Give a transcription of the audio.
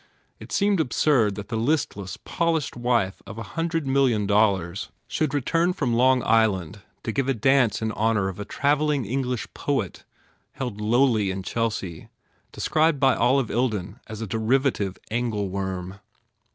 It seemed absurd that the listless, polished wife of a hun dred million dollars should return from Long Island to give a dance in honor of a travelling English poet held lowly in Chelsea, described by Olive Ilden as a derivative angleworm.